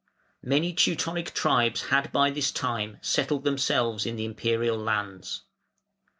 ] Many Teutonic tribes had by this time settled themselves in the Imperial lands.